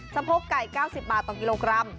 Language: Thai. สะโพกไก่๙๐บาทต่อกิโลกรัม